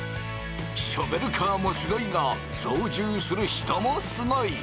ショベルカーもすごいが操縦する人もすごい！